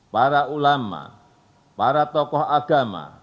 para ulama para tokoh agama